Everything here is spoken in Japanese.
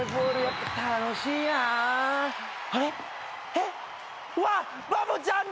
えっ！？